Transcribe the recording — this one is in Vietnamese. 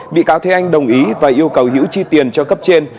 bị cáo thế anh đồng ý và yêu cầu hữu chi tiền cho cấp trên